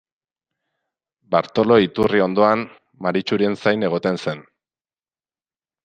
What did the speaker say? Bartolo iturri ondoan Maritxuren zain egoten zen.